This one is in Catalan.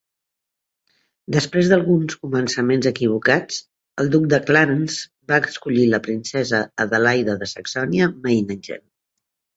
Després d'alguns començaments equivocats, el Duc de Clarence va escollir la Princesa Adelaida de Saxònia-Meiningen.